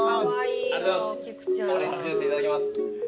オレンジジュースいただきます。